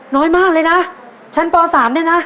น้อยมากเลยนะชั้นป๓เนี่ยนะ